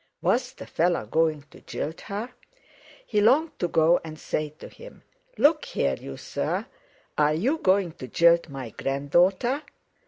Was the fellow going to jilt her? He longed to go and say to him: "Look here, you sir! Are you going to jilt my grand daughter?"